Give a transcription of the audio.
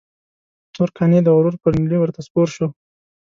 تور قانع د غرور پر نيلي ورته سپور شو.